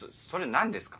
何ですか？